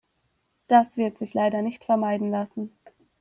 Das wird sich leider nicht vermeiden lassen.